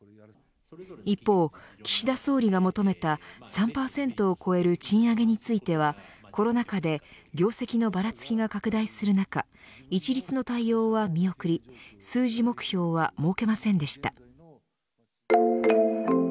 一方、岸田総理が求めた３％を超える賃上げについてはコロナ禍で業績のばらつきが拡大する中一律の対応は見送り数字目標は設けませんでした。